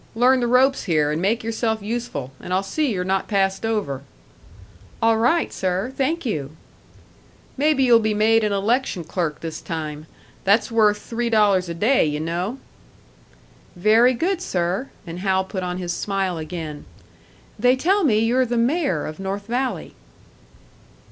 "Learn the ropes here, and make yourself useful, and I'll see you're not passed over." "All right, sir thank you." "Maybe you'll be made an election clerk this time. That's worth three dollars a day, you know." "Very good, sir." And Hal put on his smile again. "They tell me you're the mayor of North Valley."